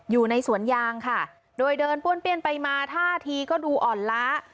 อยู่ในสวนยางค่ะโดยเดินป้วนเปี้ยนไปมาท่าทีก็ดูอ่อนล้า